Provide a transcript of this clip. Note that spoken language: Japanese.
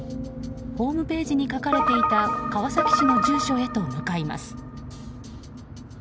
ホームページに書かれていた川崎市への住所へと向かいます。